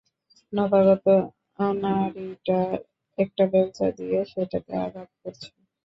নবাগত আনাড়িটা একটা বেলচা দিয়ে সেটাতে আঘাত করছে।